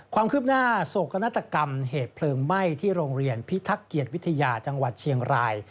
ความคืบหน้าโศกนาฏกรรมเหตุเพลิงไหม้ที่โรงเรียนพิทักเกียรติวิทยาจังหวัดเชียงราย